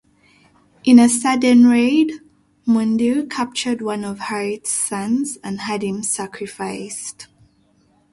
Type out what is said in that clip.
In a sudden raid, Mundhir captured one of Harith's sons and had him sacrificed.